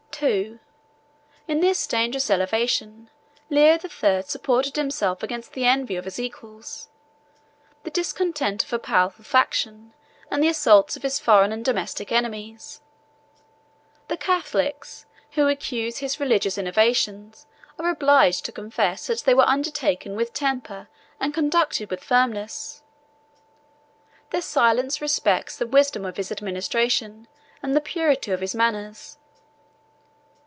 —II. In this dangerous elevation, Leo the Third supported himself against the envy of his equals, the discontent of a powerful faction, and the assaults of his foreign and domestic enemies. The Catholics, who accuse his religious innovations, are obliged to confess that they were undertaken with temper and conducted with firmness. Their silence respects the wisdom of his administration and the purity of his manners.